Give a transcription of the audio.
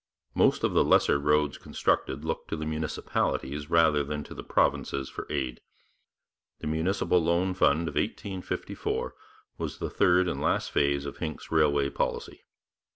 Most of the lesser roads constructed looked to the municipalities rather than to the provinces for aid. The Municipal Loan Fund of 1854 was the third and last phase of Hincks's railway policy.